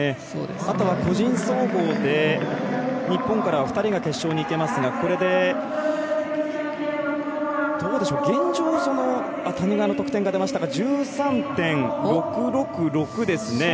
あとは個人総合で、日本からは２人が決勝に行けますが谷川の得点が出ましたが１３．６６６ですね。